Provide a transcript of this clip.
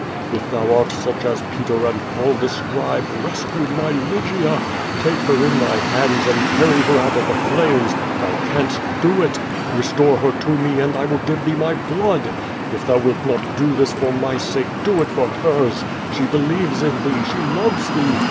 If Thou art such as Peter and Paul describe, rescue my Lygia! Take her in Thy hands and carry her out of the flames! Thou canst do it! Restore her to me and I will give Thee my blood! If Thou wilt not do this for my sake, do it for hers! She believes in Thee; she loves Thee!